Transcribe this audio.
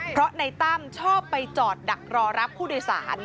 เพราะในตั้มชอบไปจอดดักรอรับผู้โดยสาร